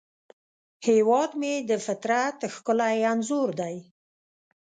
هیواد مې د فطرت ښکلی انځور دی